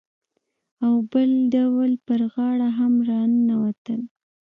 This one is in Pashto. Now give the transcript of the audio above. او بل ډول پر غاړه هم راننوتل.